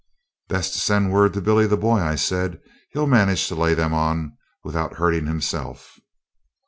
'Best send word to Billy the Boy,' I said; 'he'll manage to lay them on without hurting himself.'